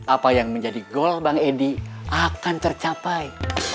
apa yang menjadi goal bang edi akan tercapai